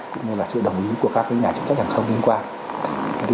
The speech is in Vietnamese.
cũng như là sự đồng ý của các nhà chính sách hàng không liên quan